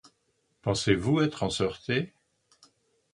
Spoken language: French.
Pensez-vous estre en seureté?